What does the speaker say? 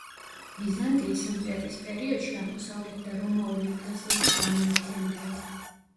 ბიზანტიის იმპერიის პერიოდში აღმოსავლეთ და რომაული ეკლესიების გამაერთიანებელი.